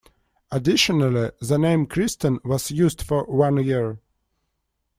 Additionally, the name Kristen was used for one year.